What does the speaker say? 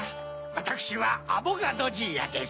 わたくしはアボガドじいやです。